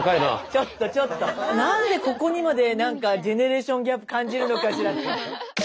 ちょっとちょっとなんでここにまでなんかジェネレーションギャップ感じるのかしら。